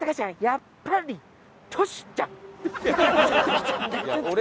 やっぱりトシちゃん」いや俺。